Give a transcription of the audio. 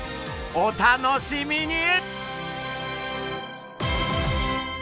お楽しみに！